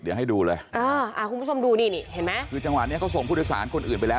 เดี๋ยวให้ดูเลยอ่าคุณผู้ชมดูนี่นี่เห็นไหมคือจังหวะนี้เขาส่งผู้โดยสารคนอื่นไปแล้ว